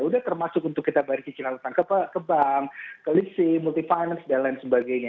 udah termasuk untuk kita balik cicilan utang ke bank ke licin multi finance dan lain sebagainya